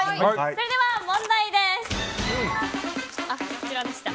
それでは問題です。